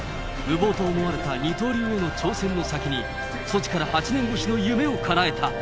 無謀と思われた二刀流への挑戦の先に、ソチから８年越しの夢をかなえた。